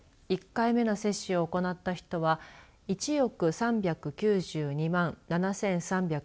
２回目の接種を行った人は１億２５２万８６７５